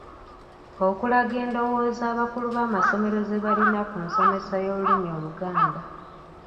Okulaga endowooza abakulu b’amasomero ze balina ku nsomesa y’Olulimi Oluganda.